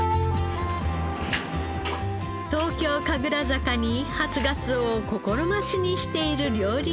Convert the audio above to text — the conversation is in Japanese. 東京神楽坂に初がつおを心待ちにしている料理人がいます。